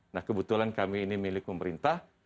nah kebetulan kami ini milik pemerintah